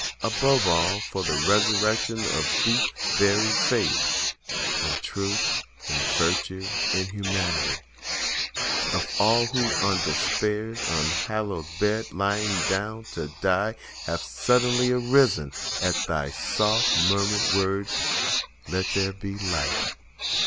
above all, For the resurrection of deep buried faith In Truth—in Virtue—in Humanity— Of all who, on Despair's unhallowed bed Lying down to die, have suddenly arisen At thy soft murmured words, "Let there be light!"